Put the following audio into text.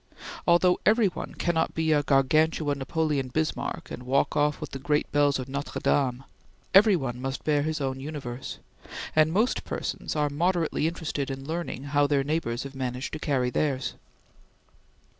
Although every one cannot be a Gargantua Napoleon Bismarck and walk off with the great bells of Notre Dame, every one must bear his own universe, and most persons are moderately interested in learning how their neighbors have managed to carry theirs.